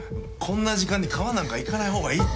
こんな時間に川なんか行かない方がいいって。